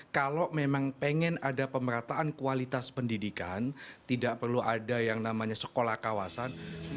kalau memang pengen ada pemerataan kualitas pendidikan tidak perlu ada yang namanya sekolah kawasan